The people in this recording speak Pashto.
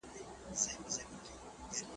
نرمي د مؤمن خټه ده.